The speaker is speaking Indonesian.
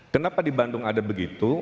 kenapa di bandung ada begitu